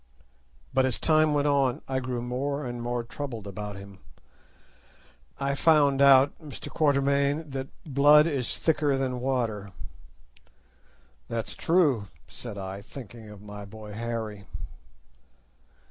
But as time went on I grew more and more troubled about him. I found out, Mr. Quatermain, that blood is thicker than water." "That's true," said I, thinking of my boy Harry.